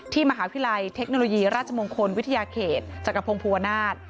มหาวิทยาลัยเทคโนโลยีราชมงคลวิทยาเขตจักรพงศ์ภูวนาศ